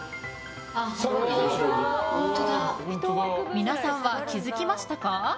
皆さんは気づきましたか？